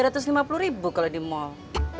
rp tiga ratus lima puluh kalau di mal